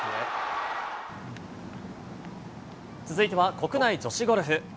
続いては国内女子ゴルフ。